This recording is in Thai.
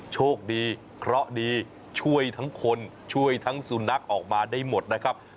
ช่วยทั้งคนช่วยทั้งสุนัขออกมาได้หมดนะครับ